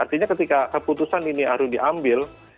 artinya ketika keputusan ini harus diambil